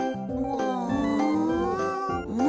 うん？